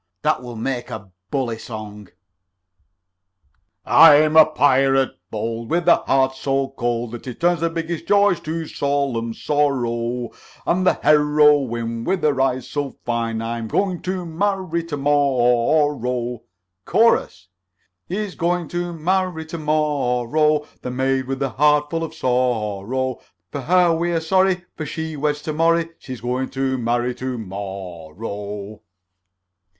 That will make a bully song: "I'm a pirate bold With a heart so cold That it turns the biggest joys to solemn sorrow; And the hero ine, With her eyes so fine, I am going to marry to morrow. CHORUS "He is go ing to marry to morrow The maid with a heart full of sorrow; For her we are sorry For she weds to morry She is going to marry to morrow."